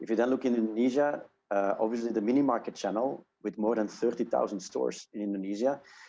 jika anda melihatnya di indonesia jelas channel minimarket dengan lebih dari tiga puluh perusahaan di indonesia